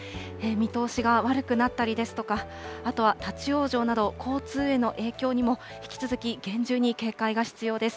見通しが悪くなったりですとか、あとは立往生など、交通への影響にも引き続き厳重に警戒が必要です。